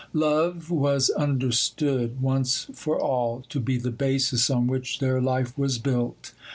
Love was understood, once for all, to be the basis on which their life was built.